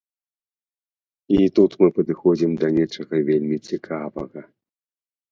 І тут мы падыходзім да нечага вельмі цікавага.